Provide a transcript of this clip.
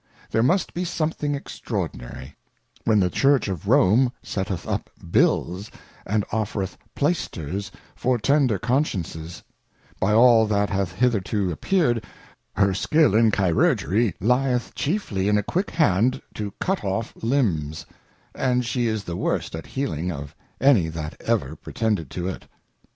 There must be something extraordinary, when the Church of Rome setteth up Bills, and offereth Plaisters, for tender Consciences : By all that hath hitherto appeared, her skill in Chirurgery lieth chiefly in a quick Hand to cut off Limbs ; but she is the worst at healing, of any that ever pre tended to it.